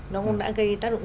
nó cũng đã gây tác động